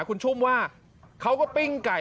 คุณชุ่มว่าเขาก็ปิ้งไก่